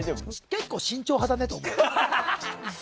結構、慎重派だねって思う。